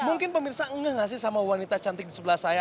mungkin pemirsa ngeh gak sih sama wanita cantik di sebelah saya